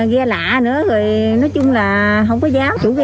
ghe lạ nữa nói chung là không có giáo chủ ghe